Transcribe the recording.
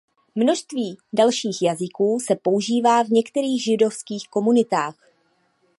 Množství dalších jazyků se používá v některých židovských komunitách.